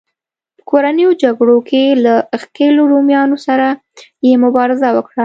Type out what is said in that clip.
په کورنیو جګړو کې له ښکېلو رومیانو سره یې مبارزه وکړه.